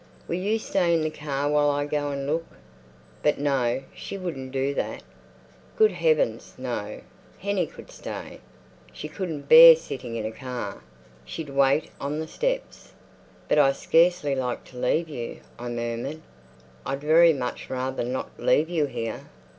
"Will you stay in the car while I go and look?" But no—she wouldn't do that. Good heavens, no! Hennie could stay. She couldn't bear sitting in a car. She'd wait on the steps. "But I scarcely like to leave you," I murmured. "I'd very much rather not leave you here."